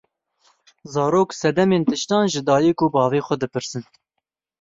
Zarok sedemên tiştan ji dayik û bavê xwe dipirsin.